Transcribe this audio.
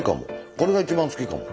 これが一番好きかも。